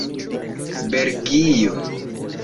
belgio